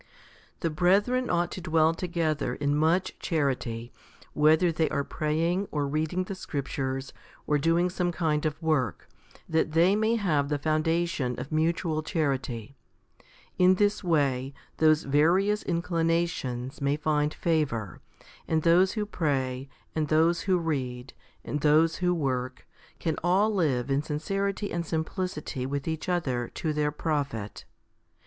1. THE brethren ought to dwell together in much charity, whether they are praying, or reading the scriptures, or doing some kind of work, that they may have the foundation of mutual charity. In this way, those various inclinations may find favour, and those who pray, and those who read, and those who work, can all live in sincerity and simplicity with each other to their profit.